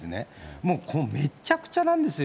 もう、めっちゃくちゃなんですよ。